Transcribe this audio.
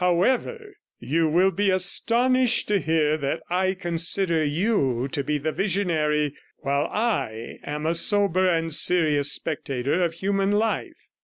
However, you will be astonished to hear that I consider you to be the visionary, while I am a sober and serious spectator of human life.